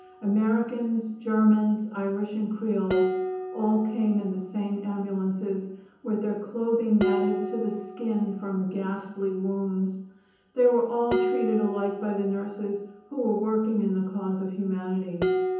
Americans, Germans, Irish and Creoles, all came in the same ambulances, with their clothing matted to the skin from ghastly wounds. They were all treated alike by the nurses, who were working in the cause of humanity.